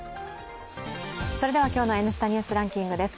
それでは、今日の「Ｎスタ・ニュースランキング」です。